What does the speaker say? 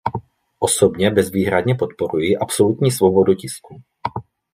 Osobně bezvýhradně podporuji absolutní svobodu tisku.